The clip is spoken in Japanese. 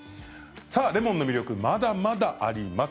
レモンの魅力まだまだあります。